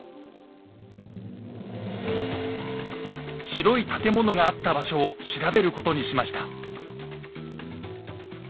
白い建物があった場所を調べることにしました。